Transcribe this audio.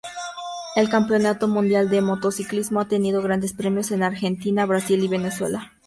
El Campeonato Mundial de Motociclismo ha tenido grandes premios en Argentina, Brasil y Venezuela.